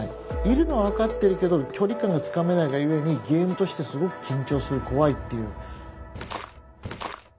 いるのは分かってるけど距離感がつかめないがゆえにゲームとしてすごく緊張する怖いっていう。